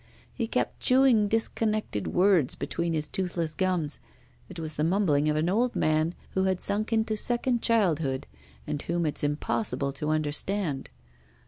He kept chewing disconnected words between his toothless gums; it was the mumbling of an old man who had sunk into second childhood, and whom it's impossible to understand.